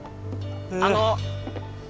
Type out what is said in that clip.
あの！